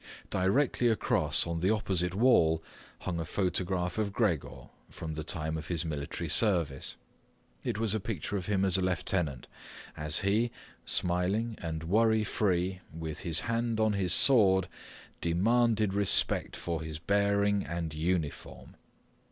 Directly across on the opposite wall hung a photograph of Gregor from the time of his military service; it was a picture of him as a lieutenant, as he, smiling and worry free, with his hand on his sword, demanded respect for his bearing and uniform.